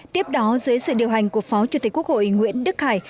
tiếp đó dưới sự điều hành của phó chủ tịch quốc hội nguyễn đức khải